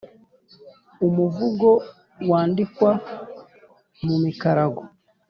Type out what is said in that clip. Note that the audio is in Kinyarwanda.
Umuvugo wandikwa mu mikarago.